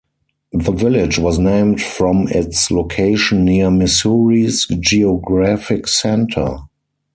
The village was named from its location near Missouri's geographic center.